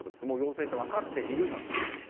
もう陽性と分かっているのに。